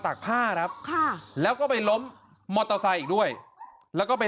กผ้าครับค่ะแล้วก็ไปล้มมอเตอร์ไซค์อีกด้วยแล้วก็ไป